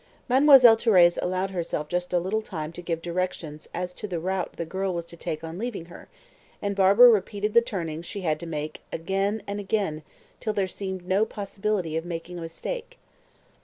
Mademoiselle Thérèse allowed herself just a little time to give directions as to the route the girl was to take on leaving her, and Barbara repeated the turnings she had to take again and again till there seemed no possibility of making a mistake.